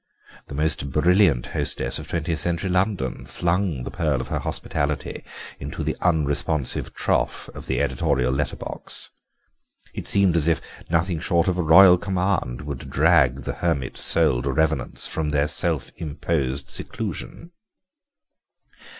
The most brilliant hostess of Twentieth Century London flung the pearl of her hospitality into the unresponsive trough of the editorial letter box; it seemed as if nothing short of a Royal command would drag the hermit souled revenants from their self imposed seclusion.